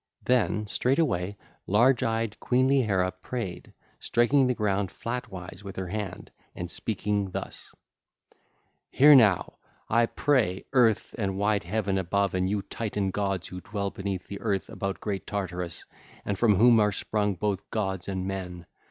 Then straightway large eyed queenly Hera prayed, striking the ground flatwise with her hand, and speaking thus: (ll. 334 362) 'Hear now, I pray, Earth and wide Heaven above, and you Titan gods who dwell beneath the earth about great Tartarus, and from whom are sprung both gods and men!